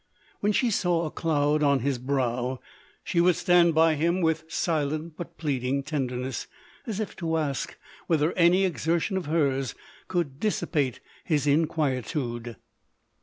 When she saw a cloud on his brow, she would stand by him with silent but plead ing tenderness, as if to ask whether any exer tion of hers could dissipate his inquietude.